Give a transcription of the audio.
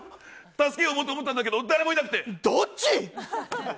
助け呼ぼうと思ったんだけど誰もいなくて。